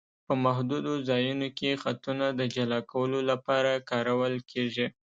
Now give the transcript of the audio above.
په محدودو ځایونو کې خطونه د جلا کولو لپاره کارول کیږي